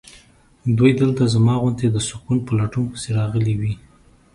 دوی دلته زما غوندې د سکون په لټون پسې راغلي وي.